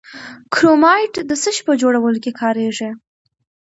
کرومایټ د څه شي په جوړولو کې کاریږي؟